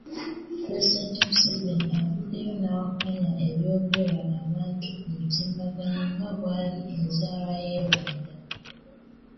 Pulezidenti Museveni avuddeyo n'awakkanya ebyogerwa abantu ku mutimbagano nga bwali enzaalwa y'e Rwanda.